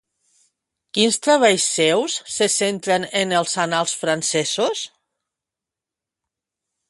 Quins treballs seus se centren en els annals francesos?